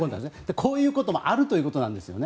こういうこともあるということなんですよね。